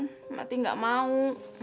berarti tidak mau